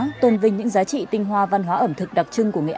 ngoài ra còn có giới thiệu các sản vật ẩm thực đặc trưng của tỉnh